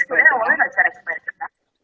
sebenarnya awalnya gak bisa ekspresi